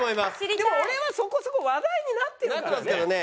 でも俺はそこそこ話題になってるからね。